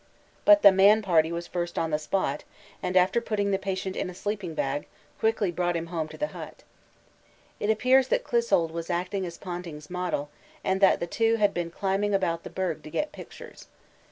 But the man# party was on the spot first, and after putting the patient in a sleeping bag, quickly brought him home to the hut. It appears that Clissold was acting as Ponting's 'model' and that the two had been climbing about the berg to get pictures.